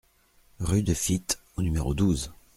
Rue de Fitte au numéro douze